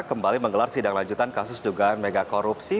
kembali menggelar sidang lanjutan kasus dugaan megakorupsi